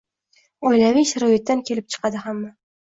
Oilaviy sharoitdan kelib chiqadi hamma.